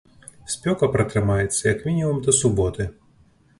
Спёка пратрымаецца, як мінімум, да суботы.